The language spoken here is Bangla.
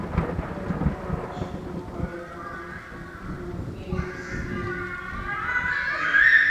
যখন পড়াশুনা করে না, তখন ফেন্সিং খেলে।